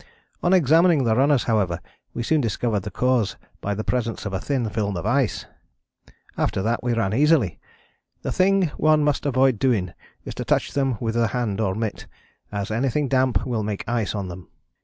On examining the runners however we soon discovered the cause by the presence of a thin film of ice. After that we ran easily. The thing one must avoid doing is to touch them with the hand or mitt, as anything damp will make ice on them.